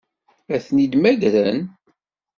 Ad ten-id-mmagren?